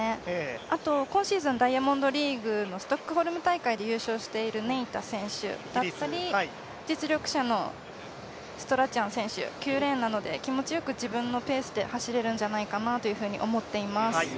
あと今シーズンダイヤモンドリーグのストックホルム大会で優勝しているネイタ選手だったり実力者のストラチャン選手９レーンなので気持ちよく自分のペースで走れるんじゃないかなと思っています。